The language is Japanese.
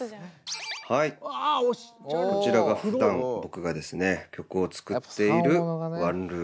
はいこちらがふだん僕がですね曲を作っているワンルームです。